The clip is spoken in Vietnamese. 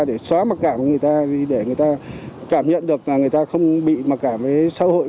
để xóa mặc cảm của người ta để người ta cảm nhận được là người ta không bị mặc cảm với xã hội